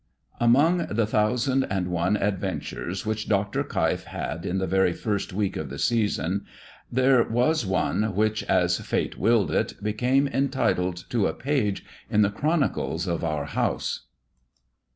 Among the thousand and one adventures which Dr. Keif had in the very first week of the season, there was one which, as fate willed it, became entitled to a page in the chronicles of our house.